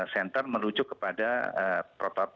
senter melucuk kepada protot